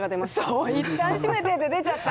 そう、いったん締めてって出ちゃった。